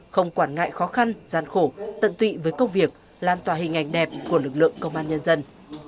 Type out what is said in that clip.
không quản ngại khó khăn gian khổ tận tụy với công việc lan tòa hình ảnh đẹp của lực lượng công an nhân dân